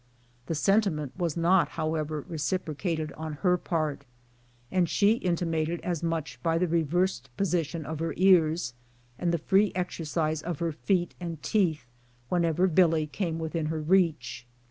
The sentiment was not, however, reciprocated on her part, and she intimated as much by the reversed position of her ears, and the free exercise of her feet and teeth whenever Billy came within her reach.